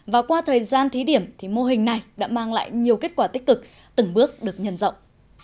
và qua thời gian thí điểm thì mô hình này đã mang lại nhiều kết quả tích cực từng bước được nhân rộng